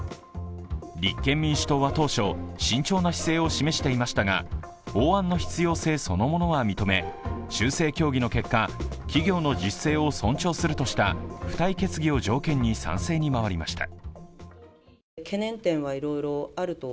立憲民主党は当初、慎重な姿勢を示していましたが法案の必要性そのものは認め、修正協議の結果、企業の自主性を尊重するとした付帯決議を条件に賛成に回りました。